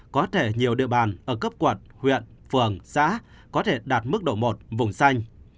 có thể nhiều địa bàn ở cấp quận huyện phường xã có thể đạt mức độ một vùng xanh